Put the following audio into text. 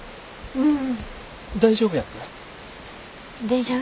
うん。